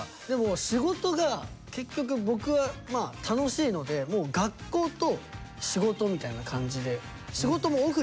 でも仕事が結局僕は楽しいのでもう学校と仕事みたいな感じで。